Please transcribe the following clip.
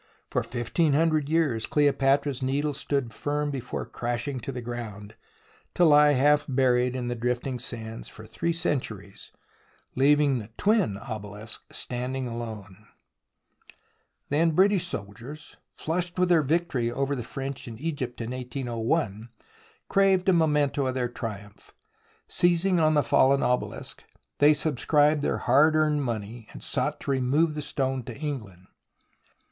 For fifteen hundred years Cleopatra's Needle stood firm before crashing to the ground, to lie half buried in the drifting sands for three centuries, leaving the twin obelisk standing alone. 38 THE ROMANCE OF EXCAVATION Then British soldiers, flushed with their victory over the French in Egypt in 1801, craved a memento of their triumph. Seizing on the fallen obelisk, they subscribed their hard earned money, and sought to remove the stone to England.